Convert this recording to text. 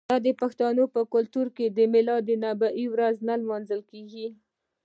آیا د پښتنو په کلتور کې د میلاد النبي ورځ نه لمانځل کیږي؟